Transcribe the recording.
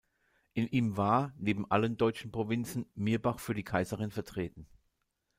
In ihm war, neben allen deutschen Provinzen, Mirbach für die Kaiserin vertreten.